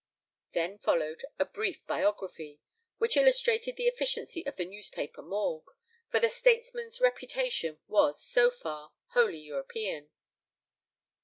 Then followed a brief biography, which illustrated the efficiency of the newspaper "morgue," for the statesman's reputation was, so far, wholly European.